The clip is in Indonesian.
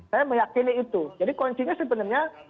saya meyakini itu jadi kuncinya sebenarnya